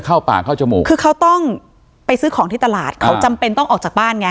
เข้าปากเข้าจมูกคือเขาต้องไปซื้อของที่ตลาดเขาจำเป็นต้องออกจากบ้านไง